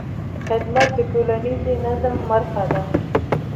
خدمت د ټولنیز نظم برخه ده.